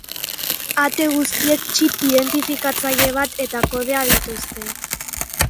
Ahate guztiek txip identifikatzaile bat eta kodea dituzte.